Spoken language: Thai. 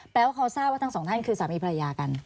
แปลว่าเขาทราบว่าทั้งสองท่านคือสามีภรรยากัน